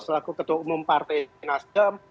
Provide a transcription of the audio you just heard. selaku ketua umum partai nasdem